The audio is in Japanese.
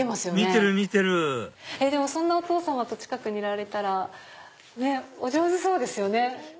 見てる見てるそんなお父さまと近くにいられたらお上手そうですよね。